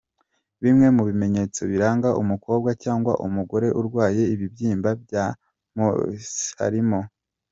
Bimwe mu bimenyetso biranga umukobwa cyangwa umugore urwaye ibibyimba bya myomes harimo:.